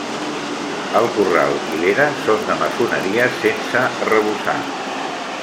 El corral i l'era són de maçoneria sense arrebossar.